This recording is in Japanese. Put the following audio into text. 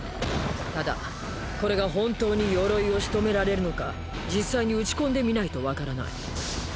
ただこれが本当に鎧を仕留められるのか実際に撃ち込んでみないとわからない。